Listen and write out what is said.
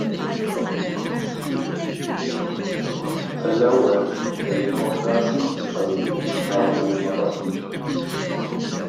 Għall-ewwel kelli nħokk rasi mhux ħażin biex nara ma' liema partit hu.